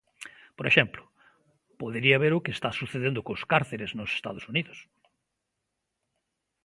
Por exemplo, podería ver o que está sucedendo cos cárceres nos Estados Unidos.